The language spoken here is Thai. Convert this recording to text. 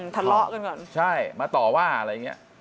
ทะเลาะกันก่อนใช่มาต่อว่าอะไรอย่างเงี้ย